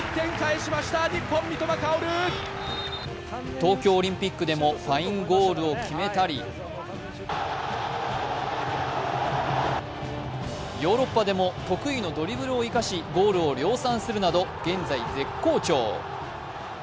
東京オリンピックでもファインゴールを決めたりヨーロッパでも得意のドリブルを生かし、ゴールを量産するなど現在、絶好調。